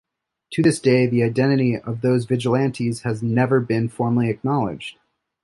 To this day the identity of those vigilantes has never been formally acknowledged.